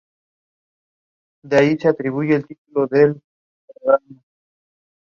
Posteriormente, la fortaleza se rindió.